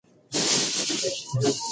رسمي څېړنې د وخت او لګښت غوښتنه کوي.